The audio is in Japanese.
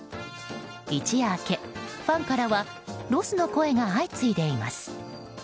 一夜明け、ファンからはロスの声が相次いでいます。